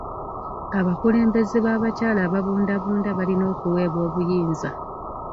Abakulembeze b'abakyala ababundabunda balina okuweebwa obuyinza.